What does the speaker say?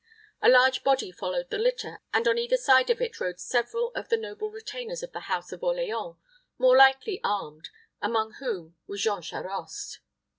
A large body followed the litter; and on either side of it rode several of the noble retainers of the house of Orleans more lightly armed, among whom was Jean Charost.